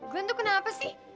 glenn tuh kenapa sih